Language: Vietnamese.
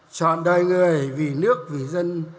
chọn đời người vì nước vì dân